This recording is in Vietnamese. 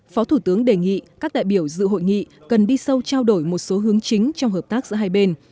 phó thủ tướng đề nghị các đại biểu dự hội nghị cần đi sâu trao đổi một số hướng chính trong hợp tác giữa hai bên